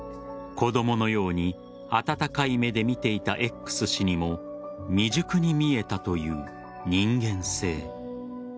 子供のように温かい目で見ていたＸ氏にも未熟に見えたという人間性。